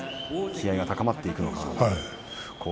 気合いが高まっていくのか。